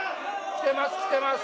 きてます